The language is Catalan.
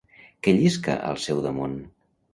Què llisca al seu damunt?